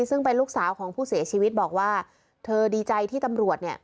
ซึ่งเป็นลูกสาวของผู้เสียชีวิตบอกว่าเธอดีใจที่ตำรวจเนี่ย